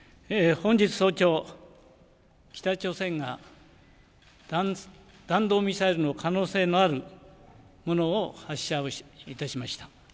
本日早朝、北朝鮮が弾道ミサイルの可能性のあるものを発射いたしました。